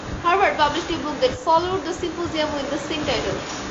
Harvard published a book that followed the symposium with the same title.